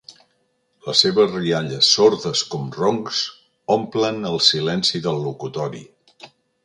Les seves riallades sordes com roncs omplen el silenci del locutori.